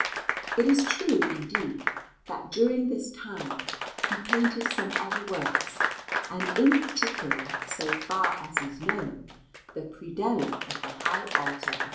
It is true, indeed, that during this time he painted some other works; and in particular, so far as is known, the predella of the high altar of S.